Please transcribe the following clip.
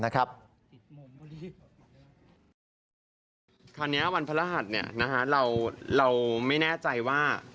คราวนี้วันพระรหัสเราไม่แน่ใจว่า